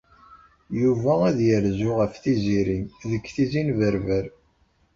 Yuba ad yerzu ɣef Tiziri deg Tizi n Berber.